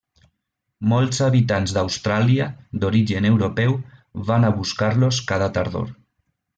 Molts habitants d'Austràlia d'origen europeu van a buscar-los cada tardor.